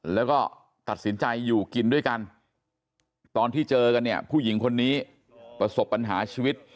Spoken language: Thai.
แล้วก็ตัดสินใจอยู่กินด้วยกันตอนที่เจอกันเนี่ยผู้หญิงคนนี้ประสบปัญหาชีวิต